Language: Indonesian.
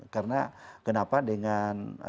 karena kenapa dengan